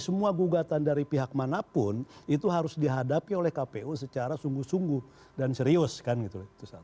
semua gugatan dari pihak manapun itu harus dihadapi oleh kpu secara sungguh sungguh dan serius kan gitu